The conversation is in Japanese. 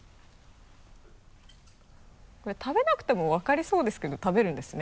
これ食べなくても分かりそうですけど食べるんですね。